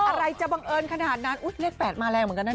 อะไรจะบังเอิญขนาดนั้นอุ๊ยเลข๘มาแรงเหมือนกันนะ